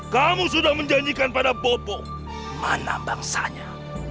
kamu sudah menjanjikan pada bopo mana bangsanya